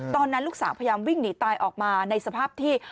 ตอนนั้นลูกสาวพยายามวิ่งหนีตายออกมาในสภาพที่